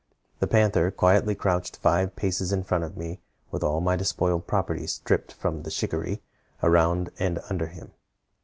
The panther quietly crouched five paces in front of me, with all my despoiled property, stripped from the shikaree, around and under him.